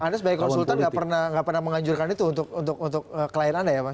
anda sebagai konsultan tidak pernah mengajurkan itu untuk klien anda ya